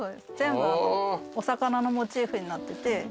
全部お魚のモチーフになってて。